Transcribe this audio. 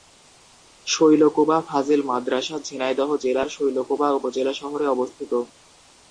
শৈলকুপা ফাজিল মাদ্রাসা ঝিনাইদহ জেলার শৈলকুপা উপজেলা শহরে অবস্থিত।